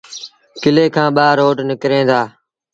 ڪلي کآݩ ٻآ روڊ نڪريݩ دآ۔